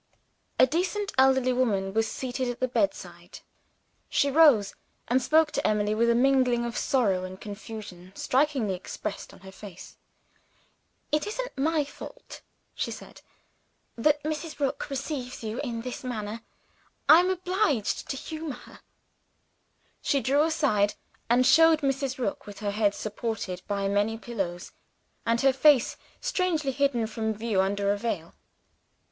A decent elderly woman was seated at the bedside. She rose, and spoke to Emily with a mingling of sorrow and confusion strikingly expressed on her face. "It isn't my fault," she said, "that Mrs. Rook receives you in this manner; I am obliged to humor her." She drew aside, and showed Mrs. Rook with her head supported by many pillows, and her face strangely hidden from view under a veil.